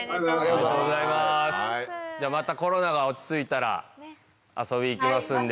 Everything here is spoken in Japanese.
じゃあまたコロナが落ち着いたら遊び行きますんで。